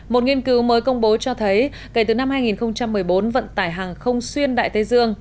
một nghiên cứu mới công bố cho thấy kể từ năm hai nghìn một mươi bốn vận tải hàng không xuyên đại tây dương